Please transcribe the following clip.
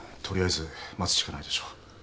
取りあえず待つしかないでしょう。